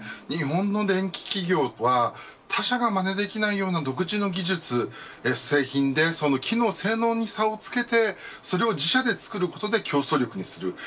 日本の電機企業は他社がまねできないような独自の技術製品で機能、性能で差をつけてそれを自社で作ることで競争力にする